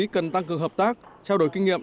cần tăng cường hợp tác trao đổi kinh nghiệm